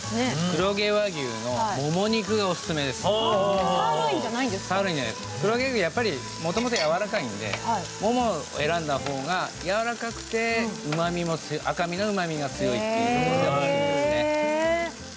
黒毛和牛もともとやわらかいんでももを選んだ方がやわらかくて赤身のうまみが強いっていうところがあるんですね。